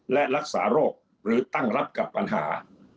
และรักษาโรคหรือตั้งรับกับปัญหา